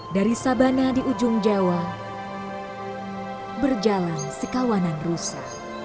dari sabana di ujung jawa berjalan sekawanan rusa